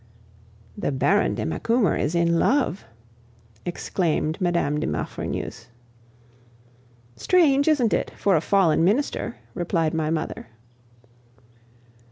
"The Baron de Macumer is in love!" exclaimed Mme. de Maufrigneuse. "Strange, isn't it, for a fallen minister?" replied my mother.